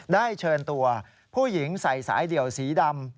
ได้เชิญตัวผู้หญิงใส่สายเดี่ยวสีดำ